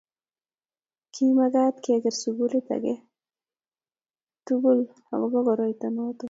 ki mekat ke ker sukulit age tugul akubo koroito noto